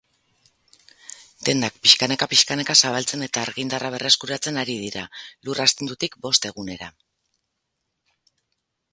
Dendak pixkanaka-pixkanaka zabaltzen eta argindarra berreskuratzen ari dira, lur astindutik bost egunera.